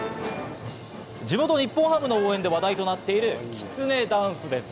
地元・日本ハムの応援で話題となっているきつねダンスです。